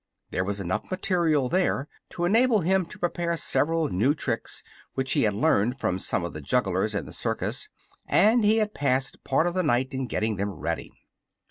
There was enough material there to enable him to prepare several new tricks which he had learned from some of the jugglers in the circus, and he had passed part of the night in getting them ready.